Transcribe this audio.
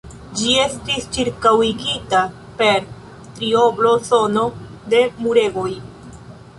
Ĝi estis ĉirkaŭigita per triobla zono de muregoj.